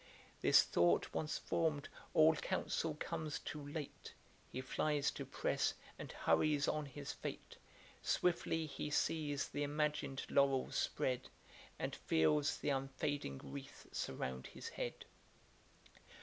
This thought once form'd, all council comes too late, He flies to press, and hurries on his fate; Swiftly he sees the imagin'd laurels spread, And feels the unfading wreath surround his head.